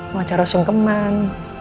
pengacara sung keman